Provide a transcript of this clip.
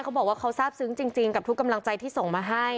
เขาบอกว่าเขาทราบซึ้งจริงกับทุกกำลังใจที่ส่งมาให้